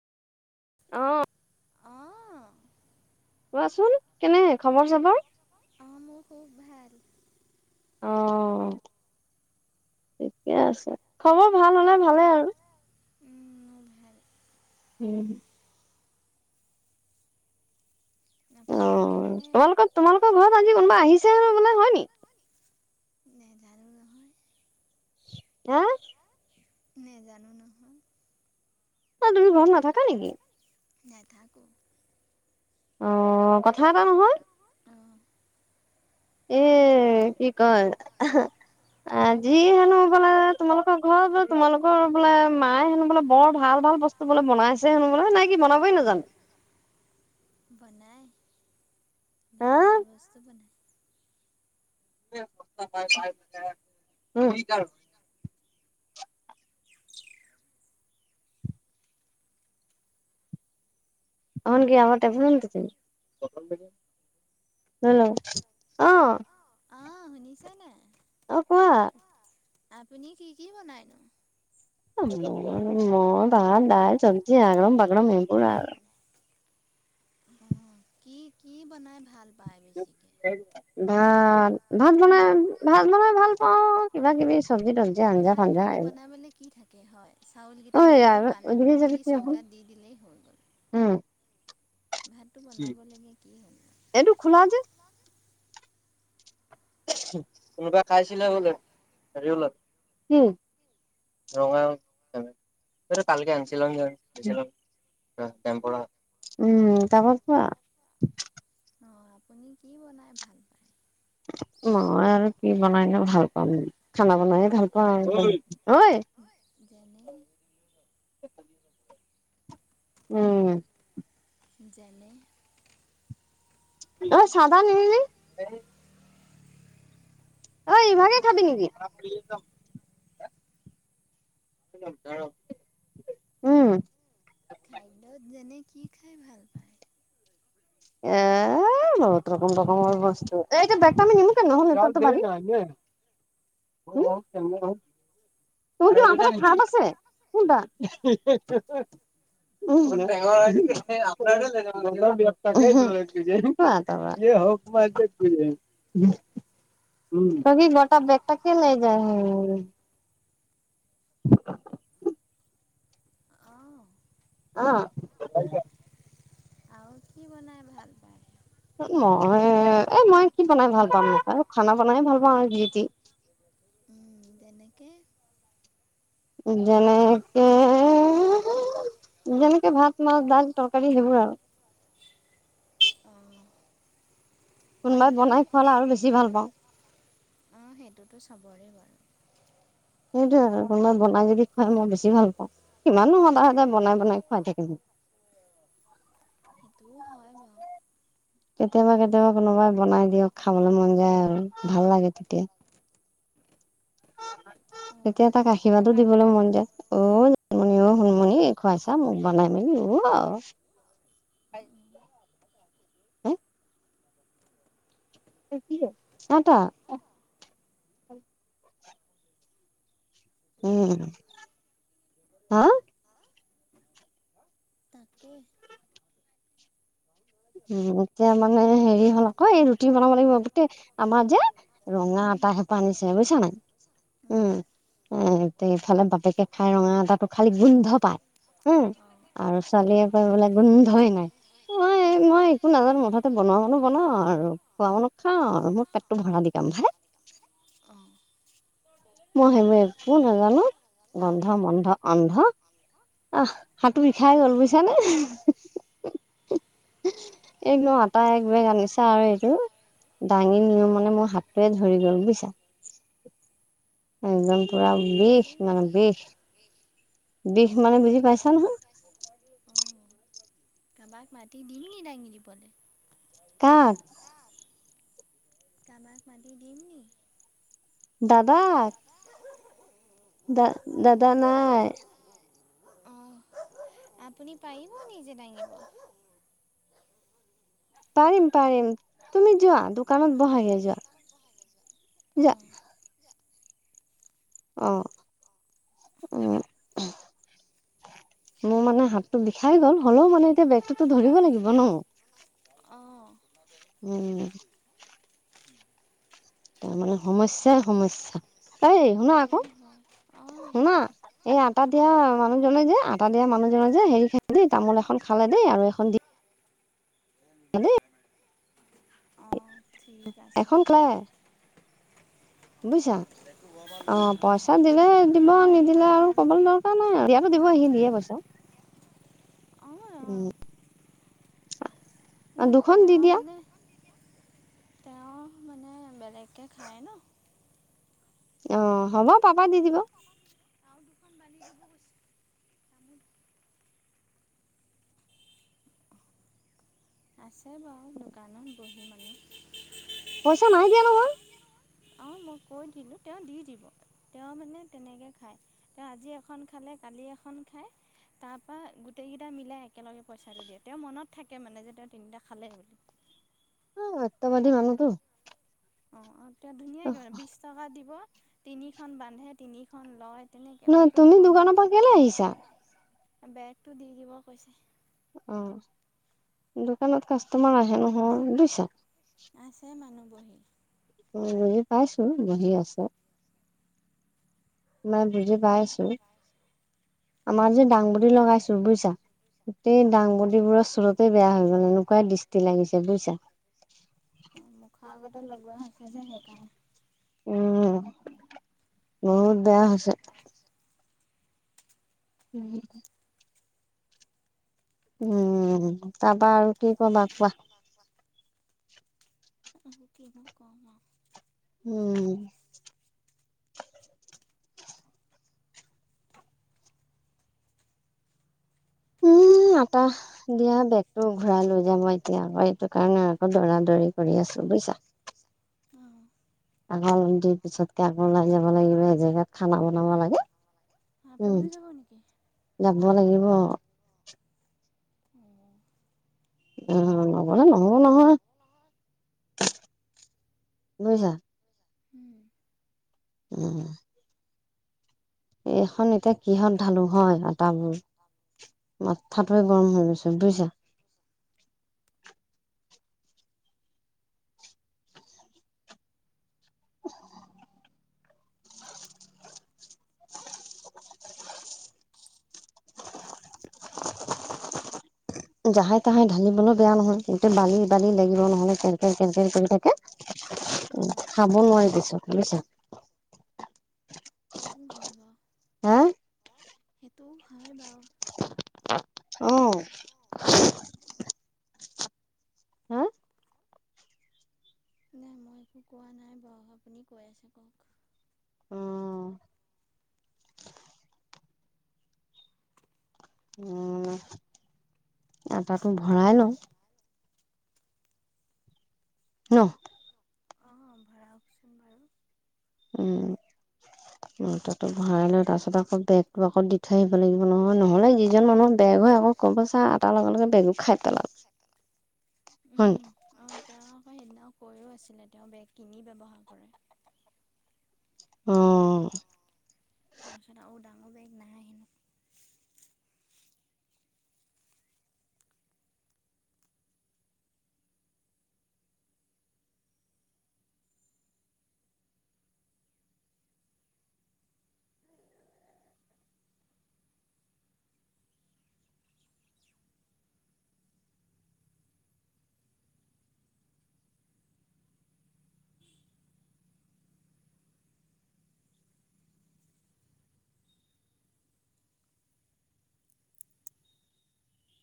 অ', অঁ কোৱাচোন কেনে খবৰ চবৰ? অ', মোৰ খুৱ ভাল। অ', ঠিকে আছে, খবৰ ভাল হ'লে ভালেই আৰু। উম। মোৰ ভাল উম। আপোনাৰ অ', কেনে? তোমালোকৰ তোমালোকৰ ঘৰত আজি কোনোবা আহিছে বোলে হয় নি? নেজানো নহয়। হা! নেজানো নহয়। অ', তুমি ঘৰত নাথাকা নেকি? নেথাকোঁ। অ', অক অ', কথা এটা নহয়! এ, কি কয় আজি হেনো ক'লে তোমালোকৰ ঘৰত [unintelligible] তোমালোকৰ বোলে মায়ে হেনো বোলে বৰ ভাল, ভাল বস্তু বোলে বনাই ছে, মই বোলো নাই কি বনাবই নাজানো। বনাই হা ভাল, ভাল বস্তু বনায়। [inaudible] [inaudible] হেল্ল'! অ'। অ', শুনিছে নে? অ', কোৱা। আপুনি কি, কি বনাইনো? মই ভাত দাইল সবজি অগ্ৰম বাগ্ৰম এইবোৰ আৰু। অ', কি, কি বনাই ভাল পায় বেছিকৈ ভাত, ভাত বনাই ভাত বনাই ভালপাওঁ, কিবা কিবি সবজি তবজি আঞ্জা ভাঞ্জা ভাতটোতো এই বনাবলৈ কি থাকে হয়, চাউলকিটা ধুই পানীটো ওইদিকে দি যাবি তুই অকণ চৌকাত দি দিলেই হৈ গ'ল। উম। ভাতটো বনাব লাগে কি [unintelligible] এইটো খোলা যে। কোনোবা খাইছিলে বোলে হেৰি ওলাল। [inaudible] উম, তাপা কোৱা। অ', আপুনি কি বনাই ভালপায়? মই আৰু কি বনাইনো ভালপাম খানা বনায়ে ভালপাওঁ আৰু ঐ, যেনে? উম। যেনে? ঐ, চাহ তাহ নিনিলি? ঐ, ইভাগে খাবি নেকি? [inaudible] উম। খাদ্যত যেনে কি খাই ভালপায়? এ--বহুত ৰকম ৰকৰ বস্তু, এই যে বেগটো আমি নিমটে [unintelligible] পাৰি। [inaudible] ঐটো আমটে [unintelligible] আছে? কোনটা? [unintelligible] [inaudible] [inaudible] তাকে লে [unintelligible] [inaudible] আহ অ'। মো, কি বনাই ভাল পায়? মই এ মই কি বনাই ভাল পাম। খানা বনাইে ভাল পাওঁ আৰু যি-টি। উম। তেনেকে। যেনেকে যেনেকে ভাত, মাছ, ডাল, তৰকাৰী সেইবোৰ আৰু। অ'। কোনোবাই বনাই খোৱালে আৰু বেছি ভাল পাওঁ। অ, সেইটোতো চবৰেই বাৰু। সেইটোই আৰু কোনোবাই বনাই যদি খুৱাই মই বেছি ভাল পাওঁ। কিমাননো সদায়, সদায় বনাই বনাই খুৱাই থাকিবি। সেইটোও হয় বাৰু। কেতিয়াবা, কেতিয়াবা কোনোবাই বনাই দিয়ক খাবলৈ মন যায় আৰু। ভাল লাগে তেতিয়া। অ, তেতিয়া তাক এতিয়া আৰ্শীবাদ। [unintelligible] তুমিও, শুনমুনি। খুৱাইছা মোক বনাই মেলি, ঊও। অঁ হে। [unintelligible] এটা। উম, হা তাকে। উ, এতিয়া মানে হেৰি হ'ল আকৌ, এই ৰুটি বনাব লাগিব গোটেই, আমাৰ যে ৰঙা উম আটা সোপা আনিছে বুইছা নাই। উম। এফালে বাপেকে খাই ৰঙা আতাটো খালি গোন্ধ পাই। হম, অঁ আৰু ছোৱালীয়ে কয় বোলে গোন্ধই নাই। মই মই একো নাজানো মুঠতে বনোৱা মানুহ বনাও আৰু, খোৱা মানুহ খাও, অঁ আৰু অঁ মোৰ পেটটো ভৰা দি কাম ভাই। অঁ মই সেইবোৰ একো নাজানো। গন্ধ-মন্ধ, অন্ধ। আহ হাতটো বিষাই গ'ল বুজিছানে। এক ন, আটা এক বেগ আনিছা আৰু এইটো। দাঙি নিওঁ মানে, মোৰ হাতটোৱে ধৰি গ'ল বুইছা। একদম পুৰা বিশ মানে বিষ। এক বিষ মানে বুজি পাইছা নহয়। অ, কাৰোবাক মাতি দিম নি দাঙি দিবলে? কাক? কাবাক মাতি দিম নেকি? দাদাক। দা-দাদা নাই অঁ আপুনি পাৰিব নিজে দাঙিব। পাৰিম, পাৰিম তুমি যোৱা দোকানত বহাগে যোৱা, যোৱা। অঁ অ, উ। মোৰ মানে হাতটো বিষাই গ'ল হ'লেও মানে এতিয়া বেগটোতো ধৰিব লাগিব ন। আহ। উম। তাৰমানে সমস্যাই, সমস্যাই এই শুনা আকৌ সেইটো হয় অঁ শুনা। এই আটা দিয়া অঁ মানুহজনে যে আটা দিয়া মানুহজনে যে হেৰি খ দেই তামোল এখন খালে দেই আৰু এখন দি [inaudible] অ, ঠিক। আছে এখন খাই বুজিছা। অ', পইচা দিলে দিব, অঁ নিদিলে এখন আৰু ক'ব খালে ন ন-নাই আৰু দিয়াটো দিব। সি দিয়ে পইচা অ', অ', অ। [inaudible] ন', দি তেওঁ দিয়া মানে, তেওঁ মানে, বেলেগকৈ খায় ন' অ', হ'ব। পাপাই দি দিব। দুখন বান্ধি দিব গৈছে। তামোল আছে বাৰু, দোকানত বহি মানুহ। পইচা নাই দিয়া নহয়। অ', মই কৈ দিলোঁ। তেওঁ দি দিব। তেওঁ মানে তেনেকৈ খায়। তেওঁ আজি এখন খালে, কালি এখন খায় তাৰ পৰা গোটেইকেইটা মিলাই একেলগে পইচাটো দিয়ে। তেওঁৰ মনত থাকে মানে, যে তেওঁ তিনিটা খালে বুলি। অ', সত্যবাদী মা তামোলটো অ', আৰু তেওঁ ধুনীয়াকৈ মানে বিশ টকা দিব। তিনিখন বান্ধে, তিনিখন লয় তেনেকে ন মানুহটোৰ তুমি দোকানৰ পৰা কেলে আহিছা মনত, বেগটো দি দিব কৈছে। অ', দুটামান কাষ্টমাৰ আহে নহয় বুজিছা? আছে, মানুহ বহি। উম, বুজি পাইছোঁ। বহি আছে মই বুজি পাইছোঁ। আমাৰ যে দাংবদি লগাইছোঁ, বুজিছা? গোটেই অঁ দাংবদিবোৰ চুৰতে বেয়া হৈ গ'ল। এনেকুৱাই দৃষ্টি লাগিছে, বুজিছা? অ', মুখৰ আগতে লগোৱা হৈছে যে, সেইকাৰণে। উম, বহুত বেয়া হৈছে। উম। উম, তাৰপৰা আৰু কি ক'বা? কোৱা ক'বা, কোৱা মই কিনো ক'ম আৰু উম। উম, আটা দিয়া বেগটো ঘূৰাই লৈ যাম। মই এতিয়া, মই সেইটো কাৰণে আকৌ দৌৰা-দৌৰি কৰি আছোঁ, বুজিছা? অ'। আকৌ মুখ ধুই, পিছত আকৌ ওলাই যাব লাগিব। এজেগাত খানা বনাব লাগে। উম আপুনিও যাব নেকি? যাব লাগিব। অঁ অ', নগ'লে নহ'ব নহয়, বুজিছা? উম। এইখন এতিয়া কিহত ঢালো হয়? আটাবোৰ মাথাটোৱে গৰম হৈ গৈছে, বুজিছা? [inaudible] জাহাই-তাহাই ঢালিবলৈও বেয়া নহয়। গোটেই বালি-বালি লাগিব, নহ'লে কেন, কেন, কেন, কেন কৰি থাকে। খাব নোৱাৰি পিছত বুজিছা অ'। [inaudible] সেইটোও হয় বাৰু। হা সেইটোও হয় বাৰু। অ'। হা নাই, মই একো কোৱা নাই বাৰু। আপুনি কৈ আছে, কওক অ উম আটাটো ভৰাই লওঁ। ন? অ'। ভৰাওকচোন বাৰু। উম। [inaudible] আটাটো ভৰাই লৈ তাৰপিছত আকৌ বেগটো আকৌ দি থৈ আহিব লাগিব নহয় নহ'লে যিজন মানুহৰ বেগ হয় আকৌ ক'ম পাইছা আটাৰ লগ বেগু খাই পেলাল হয় নাই উম। অ', তেওঁ আকৌ সেইদিনা কৈও আছিলে তেওঁ বেগ কিনি ব্যৱহাৰ কৰে। অ', তাৰপিছত আৰু ডাঙৰ বেগ নাই হেনো।